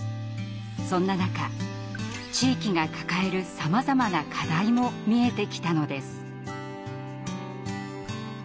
そんな中地域が抱えるさまざまな課題も見えてきたのです。